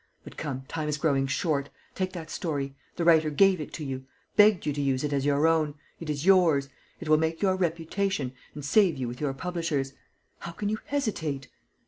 But come, time is growing short. Take that story. The writer gave it to you. Begged you to use it as your own. It is yours. It will make your reputation, and save you with your publishers. How can you hesitate?"